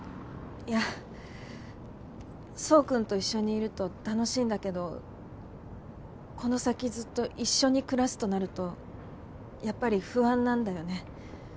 いや宗君と一緒にいると楽しいんだけどこの先ずっと一緒に暮らすとなるとやっぱり不安なんだよね。